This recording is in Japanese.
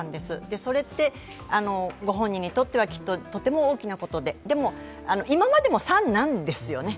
それってご本人にとってはとても大きなことででも今までも「さん」なんですよね。